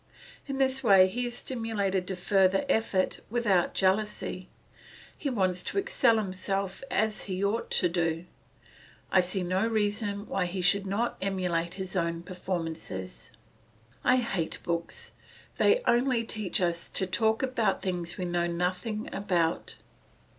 In this way he is stimulated to further effort without jealousy. He wants to excel himself as he ought to do; I see no reason why he should not emulate his own performances. I hate books; they only teach us to talk about things we know nothing about.